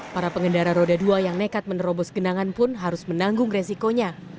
para pengendara roda dua yang nekat menerobos genangan pun harus menanggung resikonya